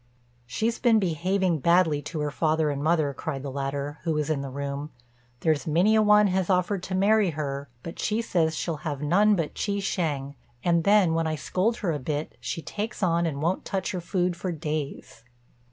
"She's been behaving badly to her father and mother," cried the latter, who was in the room; "there's many a one has offered to marry her, but she says she'll have none but Chi shêng: and then when I scold her a bit, she takes on and won't touch her food for days."